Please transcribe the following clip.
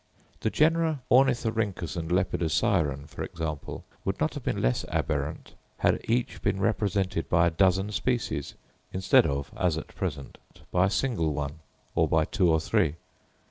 The genera Ornithorhynchus and Lepidosiren, for example, would not have been less aberrant had each been represented by a dozen species, instead of as at present by a single one, or by two or three.